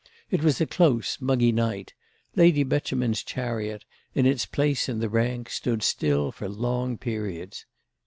It was a close muggy night; Lady Beauchemin's chariot, in its place in the rank, stood still for long periods.